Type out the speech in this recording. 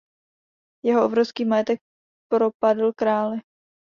Jeho obrovský majetek propadl králi.